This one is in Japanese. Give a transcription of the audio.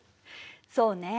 そうね。